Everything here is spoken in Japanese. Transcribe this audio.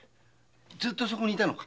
ずっとそこにいたのか？